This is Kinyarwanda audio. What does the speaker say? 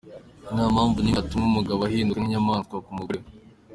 Nta mpamvu nimwe yatuma umugabo ahinduka nk’inyamaswa ku mugore we.